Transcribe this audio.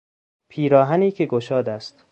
پیراهنی که گشاد است